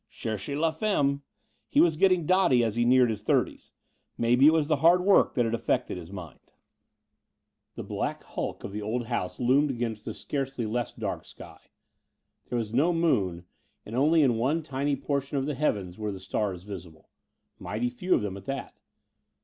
Cherchez la femme! He was getting dotty as he neared his thirties. Maybe it was the hard work that had affected his mind. The black hulk of the old house loomed against the scarcely less dark sky. There was no moon, and in only one tiny portion of the heavens were the stars visible. Mighty few of them at that.